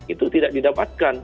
itu tidak didapatkan